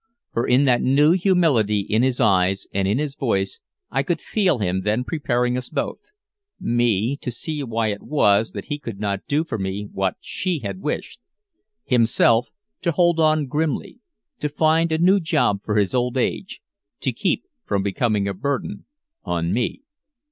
For in that new humility in his eyes and in his voice I could feel him then preparing us both me to see why it was that he could not do for me what she had wished; himself to hold on grimly, to find a new job for his old age, to keep from becoming a burden on me.